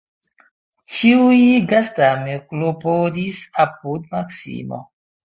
Ĉiuj gastame klopodis apud Maksimo.